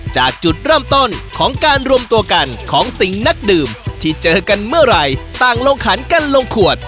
จากจุดเริ่มต้นของการรวมตัวกันของสิ่งนักดื่มที่เจอกันเมื่อไหร่ต่างลงขันกันลงขวด